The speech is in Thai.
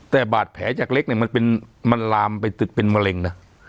แต่บาดแผลจากเล็กเนี่ยมันลามไปตึกเป็นมะเร็งนะ